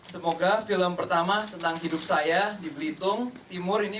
semoga film pertama tentang hidup saya di belitung timur ini